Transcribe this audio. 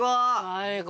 最高！